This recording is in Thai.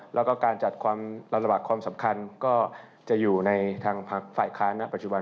แล้วก็การจัดรับระบาดความสำคัญจะอยู่ในฝ่ายค้าณอันปัจจุบัน